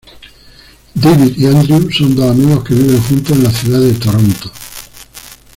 David y Andrew son dos amigos que viven juntos en la ciudad de Toronto.